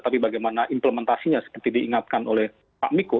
tapi bagaimana implementasinya seperti diingatkan oleh pak miko